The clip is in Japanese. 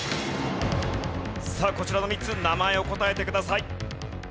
さあこちらの３つ名前を答えてください。